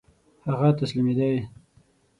هغه تسلیمېدی.